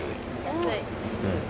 「安い！」